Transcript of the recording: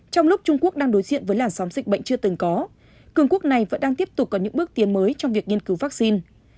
trong lúc trung quốc đang đối diện với làn sóng dịch bệnh chưa từng có cường quốc này vẫn đang tiếp tục có những bước tiến mới trong việc nghiên cứu vaccine